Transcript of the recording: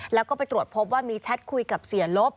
แล้วก็ไปตรวจพบว่ามีแชทคุยกับเสียลบ